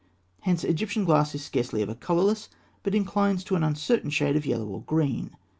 Hence Egyptian glass is scarcely ever colourless, but inclines to an uncertain shade of yellow or green.